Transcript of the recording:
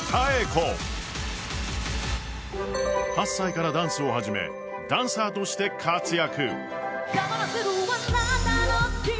８歳からダンスを始めダンサーとして活躍。